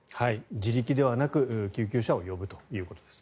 自力ではなく救急車を呼ぶということです。